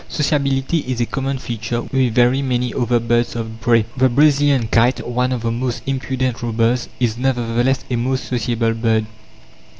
Sociability is a common feature with very many other birds of prey. The Brazilian kite, one of the most "impudent" robbers, is nevertheless a most sociable bird.